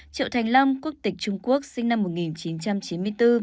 triệu thành long quốc tịch trung quốc sinh năm một nghìn chín trăm chín mươi bốn